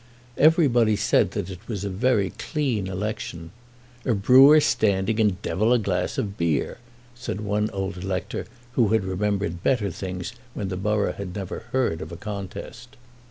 Everybody said that it was a very clean election. "A brewer standing, and devil a glass of beer!" said one old elector who had remembered better things when the borough never heard of a contest.